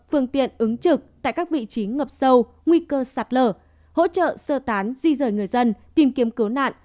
phương tiện ứng trực tại các vị trí ngập sâu nguy cơ sạt lở hỗ trợ sơ tán di rời người dân tìm kiếm cứu nạn